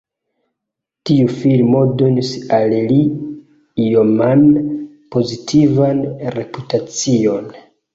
Tiu filmo donis al li ioman pozitivan reputacion.